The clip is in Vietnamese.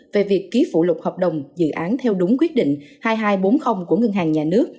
về việc ký phụ lục hợp đồng dự án theo đúng quyết định hai nghìn hai trăm bốn mươi của ngân hàng nhà nước